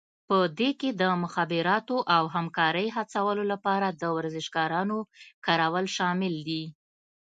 په دې کې د مخابراتو او همکارۍ هڅولو لپاره د ورزشکارانو کارول شامل دي